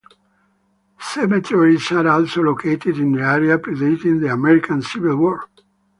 Cemeteries are also located in the area, pre-dating the American Civil War.